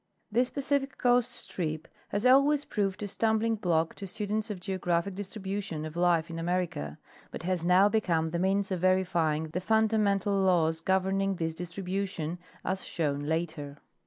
This Pacific coast strip has always proved a stumbling block to students of geographic distribution of life in America, but has now become the means of verifying the fundamental laws governing this distribution, as shown later.